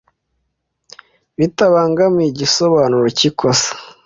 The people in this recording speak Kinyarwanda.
Bitabangamiye igisobanuro cy’ikosa